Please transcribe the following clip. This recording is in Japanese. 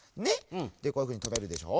こういうふうにとめるでしょ。